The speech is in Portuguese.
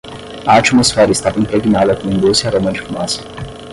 A atmosfera estava impregnada com o doce aroma de fumaça.